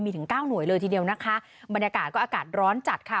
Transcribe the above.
มีถึงเก้าหน่วยเลยทีเดียวนะคะบรรยากาศก็อากาศร้อนจัดค่ะ